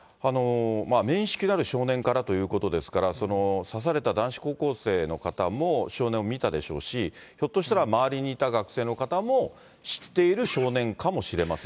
面識のある少年からということですから、刺された男子高校生の方も少年を見たでしょうし、ひょっとしたら周りにいた学生の方も知っている少年かもしれませ